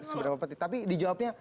seberapa penting tapi di jawabnya